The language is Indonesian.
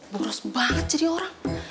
boros banget jadi orang